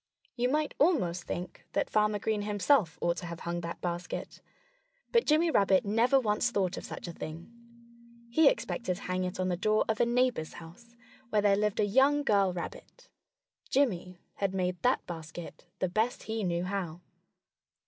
You might almost think that Farmer Green himself ought to have hung that basket. But Jimmy Rabbit never once thought of such a thing. He expected to hang it on the door of a neighbor's house, where there lived a young girl rabbit. Jimmy had made that basket the best he knew how.